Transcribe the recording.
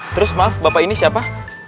terus maaf bapak ini siapa